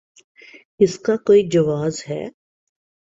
اس کا کوئی جواز ہے؟